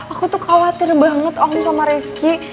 aku tuh khawatir banget om sama rifki